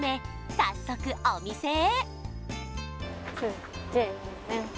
早速お店へ！